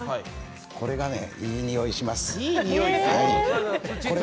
これがね、いいにおいします。